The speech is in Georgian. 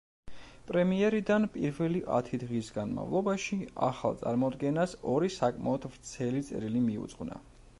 პრემიერიდან პირველი ათი დღის განმავლობაში ახალ წარმოდგენას ორი საკმაოდ ვრცელი წერილი მიუძღვნა.